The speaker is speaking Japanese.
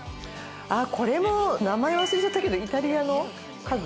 これも名前忘れちゃったけどイタリアの家具？